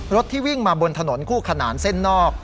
ที่วิ่งมาบนถนนคู่ขนานเส้นนอก